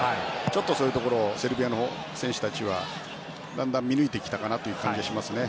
ちょっと、そういうところセルビアの選手たちはだんだん見抜いてきたかなという感じがしますね。